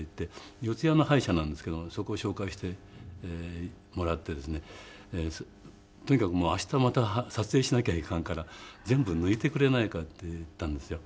四谷の歯医者なんですけどもそこを紹介してもらってですねとにかく明日また撮影しなきゃいかんから全部抜いてくれないかって言ったんですよ。